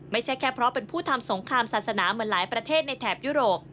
ไม่ใช่แค่เพราะเป็นผู้ทำสงครามศาสนาเหมือนหลายประเทศในแถบยุโรป